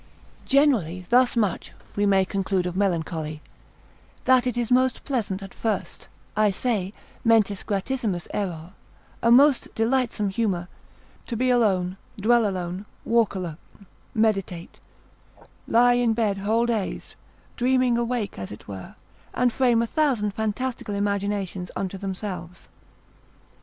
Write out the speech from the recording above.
Generally thus much we may conclude of melancholy; that it is most pleasant at first, I say, mentis gratissimus error, a most delightsome humour, to be alone, dwell alone, walk alone, meditate, lie in bed whole days, dreaming awake as it were, and frame a thousand fantastical imaginations unto themselves.